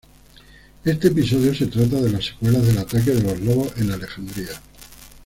Este episodio se trata de las secuelas del ataque de los lobos en Alexandría.